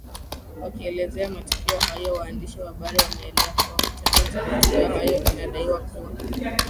wakielezea matukio hayo waandishi wa habari wameeleza kuwa chanzo cha matukio hayo kinadaiwa kuwa